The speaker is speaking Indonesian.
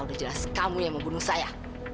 udah jelas kamu yang mau bunuh saya